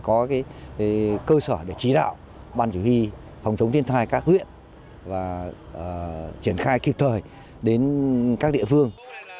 có cơ sở để chỉ đạo ban chủ huy phòng chống thiên tai các huyện và triển khai kịp thời đến các địa phương